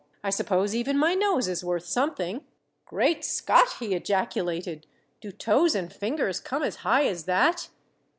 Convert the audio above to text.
I suppose even my nose is worth something." "Great Scott!" he ejaculated. "Do toes and fingers come as high as that?"